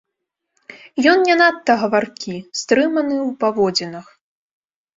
Ён не надта гаваркі, стрыманы ў паводзінах.